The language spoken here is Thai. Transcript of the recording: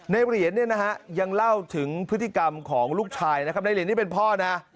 เหรียญเนี่ยนะฮะยังเล่าถึงพฤติกรรมของลูกชายนะครับในเหรียญนี่เป็นพ่อนะ